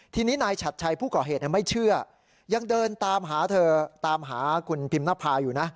ทีนี้นายชัดชัยผู้ก่อเหตุไม่เชื่อยังเดินตามหาเธอตามหาคุณพิมนภาอยู่นะ